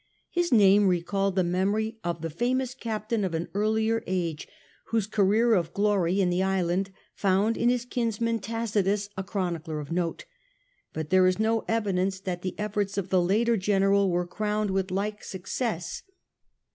His name re called the memory of the famous captain of an earlier age, whose career of glory in the island found in his kinsman Tacitus a chronicler of note. But there is no evidence that the efforts of the later general were crowned with like success.